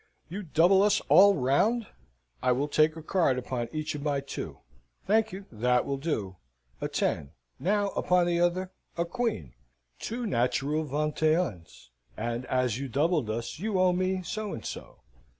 "You double us all round? I will take a card upon each of my two. Thank you, that will do a ten now, upon the other, a queen, two natural vingt et uns, and as you doubled us you owe me so and so."